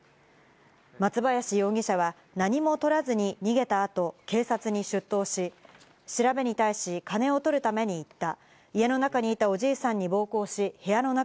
松林容疑者は何も取らずに逃げた後、警察に出頭し、調べに対し、金を取るために行った。